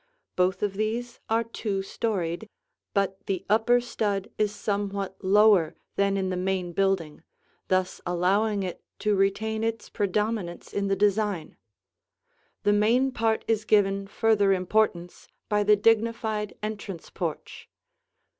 Both of these are two storied, but the upper stud is somewhat lower than in the main building, thus allowing it to retain its predominance in the design. The main part is given further importance by the dignified entrance porch.